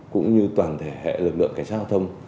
cũng như toàn thể hệ lực lượng cảnh sát giao thông